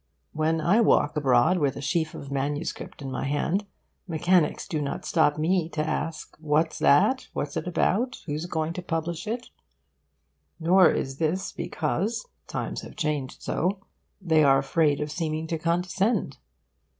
When I walk abroad with a sheaf of manuscript in my hand, mechanics do not stop me to ask 'What's that? What's it about? Who's going to publish it?' Nor is this because, times having changed so, they are afraid of seeming to condescend.